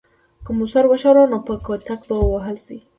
که مو سر وښوراوه نو په کوتک به ووهل شئ.